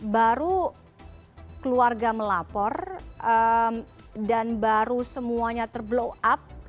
baru keluarga melapor dan baru semuanya terblow up